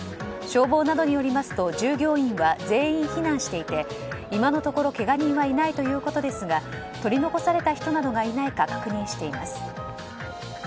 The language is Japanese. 消防などによりますと従業員は全員避難していて今のところ、けが人はいないということですが取り残された人などがいないか確認しています。